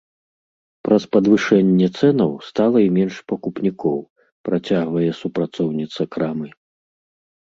Праз падвышэнне цэнаў, стала і менш пакупнікоў, працягвае супрацоўніца крамы.